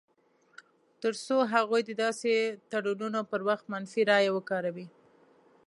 تر څو هغوی د داسې تړونونو پر وخت منفي رایه وکاروي.